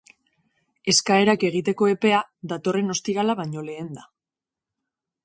Eskaerak egiteko epea datorren ostirala baino lehen da.